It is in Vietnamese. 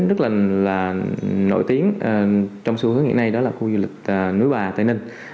rất là nổi tiếng trong xu hướng hiện nay đó là khu du lịch núi bà tây ninh